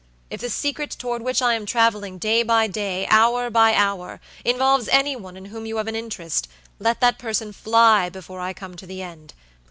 If the secret toward which I am traveling day by day, hour by hour, involves any one in whom you have an interest, let that person fly before I come to the end.